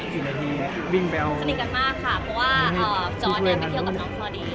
สนิกกันมากค่ะเพราะว่าจอร์สไปเที่ยวกับน้องพลอดี